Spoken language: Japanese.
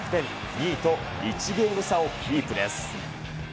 ２位と１ゲーム差をキープです。